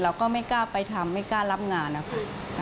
ก็ไม่กล้าไปทำไม่กล้ารับงานนะคะ